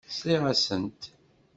Sliɣ-asent.